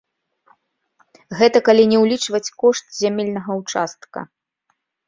Гэта калі не ўлічваць кошт зямельнага ўчастка.